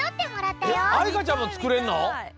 えっあいかちゃんもつくれんの？